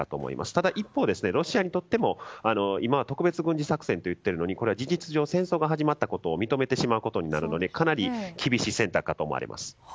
ただ、一方でロシアにとっても今は特別軍事作戦と言っているのにこれは事実上、戦争が始まったことを認めることになるのでかなり厳しい選択かと思います。